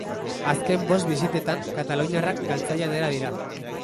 Azken bost bisitetan, kataluniarrak galtzaile atera dira.